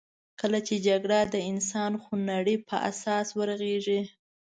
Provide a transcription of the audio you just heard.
کله چې جګړه د انسان خوړنې په اساس ورغېږې.